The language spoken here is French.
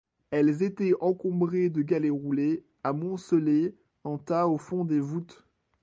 Elles étaient encombrées de galets roulés, amoncelés en tas au fond des voûtes.